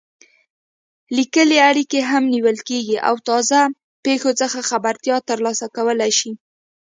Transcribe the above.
لیکلې اړیکې هم نیول کېږي او تازه پېښو څخه خبرتیا ترلاسه کولای شي.